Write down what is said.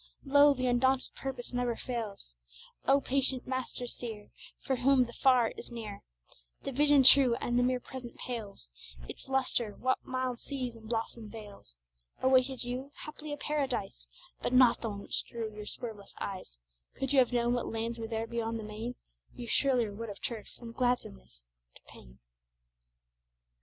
Lo! the undaunted purpose never fails! O patient master, seer, For whom the far is near, The vision true, and the mere present pales Its lustre, what mild seas and blossomed vales Awaited you? haply a paradise But not the one which drew your swerveless eyes; Could you have known what lands were there beyond the main, You surelier would have turned to gladsomeness from pain.